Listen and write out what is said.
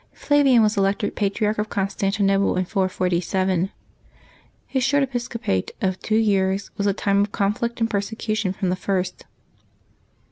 HLAVIAN" was elected Patriarch of Constantinople in 447. His short episcopate of two years was a time of conflict and persecution from the first.